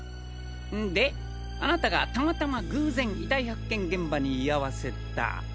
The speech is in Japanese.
んであなたがたまたま偶然遺体発見現場に居合わせた。